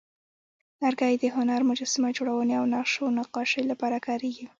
لرګی د هنر، مجسمه جوړونې، او نقش و نقاشۍ لپاره کارېږي.